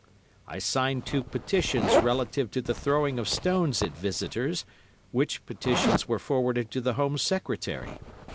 I signed two petitions relative to the throwing of stones at visitors, which petitions were forwarded to the Home Secretary.